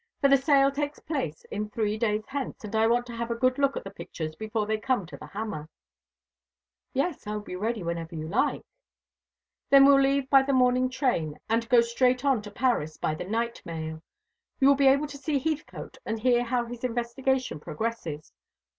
The sale takes place three days hence, and I want to have a good look at the pictures before they come to the hammer." "Yes, I will be ready whenever you like." "Then we'll leave by the morning train, and go straight on to Paris by the night mail. You will be able to see Heathcote, and hear how his investigation progresses.